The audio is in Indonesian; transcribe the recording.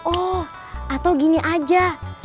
oh atau gini aja